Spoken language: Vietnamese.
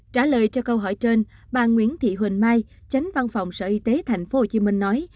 trả lời cho câu hỏi trên bà nguyễn thị huỳnh mai chánh văn phòng sở y tế tp hcm nói